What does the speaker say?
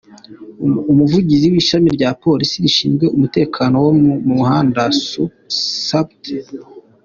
Umuvugizi w’Ishami rya Polisi rishinzwe umutekano wo mu muhanda, Supt.